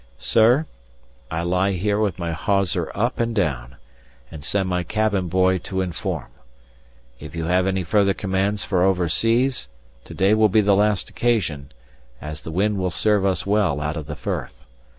"Sir, I lie here with my hawser up and down, and send my cabin boy to informe. If you have any further commands for over seas, to day will be the last occasion, as the wind will serve us well out of the firth.